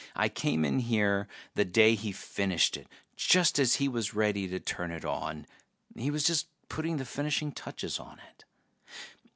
I came in here the day he finished it, just as he was ready to turn it on. He was just putting the finishing touches on it.